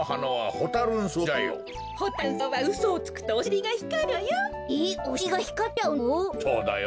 ホタ・ルン草はうそをつくとおしりがひかるのよ。